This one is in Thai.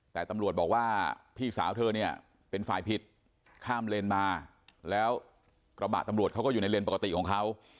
แต่ตำรวจบอกว่าพี่สาวเธอเนี่ยเป็นฝ่ายผิดข้ามเลนมาแล้วกระบะตำรวจเขาก็อยู่ในเลนปกติของเขา